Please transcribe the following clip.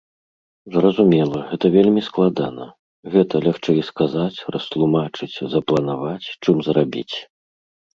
Зразумела, гэта вельмі складана, гэта лягчэй сказаць, растлумачыць, запланаваць, чым зрабіць.